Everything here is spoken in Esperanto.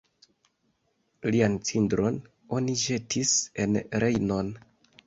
Lian cindron oni ĵetis en Rejnon.